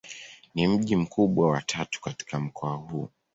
Ni mji mkubwa wa tatu katika mkoa huu.